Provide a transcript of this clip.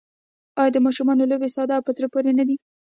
آیا د ماشومانو لوبې ساده او په زړه پورې نه وي؟